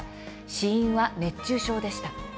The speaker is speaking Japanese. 死因は熱中症でした。